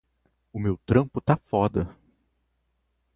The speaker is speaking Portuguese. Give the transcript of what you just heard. O meu trampo tá foda